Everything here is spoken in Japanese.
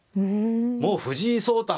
もう藤井聡太